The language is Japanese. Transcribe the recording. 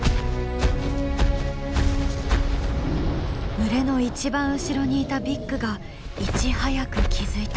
群れの一番後ろにいたビッグがいち早く気付いた。